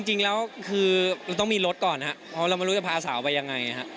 เอ่อจริงคือต้องมีรถก่อนฮะเราไม่รู้จะพาสาวไปยังไงฮะ